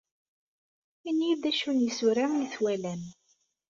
Init-iyi-d d acu n yisura ay twalam.